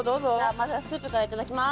まずはスープからいただきます。